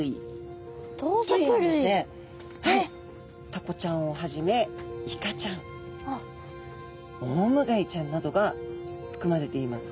タコちゃんをはじめイカちゃんオウムガイちゃんなどがふくまれています。